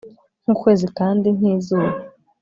nkukwezi kandi nkizuba